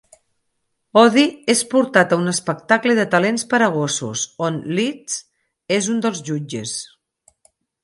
Odie és portat a un espectacle de talents per a gossos, on Liz és un dels jutges.